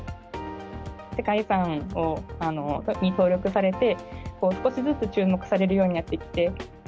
世界遺産に登録されて、少しずつ注目されるようになってきて。